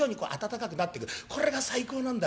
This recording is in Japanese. これが最高なんだ。